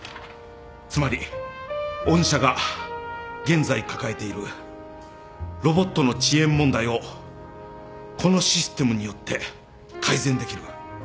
つまり御社が現在抱えているロボットの遅延問題をこのシステムによって改善できる。